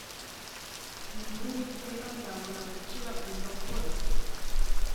Nkiza Uwiteka nzabona gukira undokore